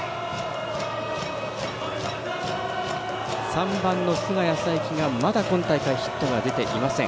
３番の菅谷冴樹はまだ今大会ヒットが出ていません。